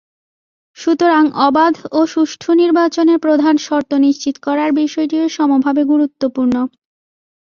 সুতরাং অবাধ ও সুষ্ঠু নির্বাচনের প্রধান শর্ত নিশ্চিত করার বিষয়টিও সমভাবে গুরুত্বপূর্ণ।